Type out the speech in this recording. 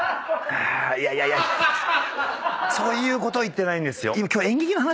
そういうこと言ってないんですよ。